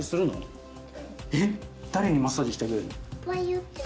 え誰にマッサージしてあげるの？